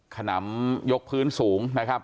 ขนำยกพื้นสูงนะครับ